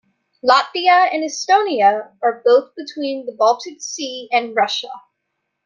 Latvia and Estonia are both between the Baltic Sea and Russia.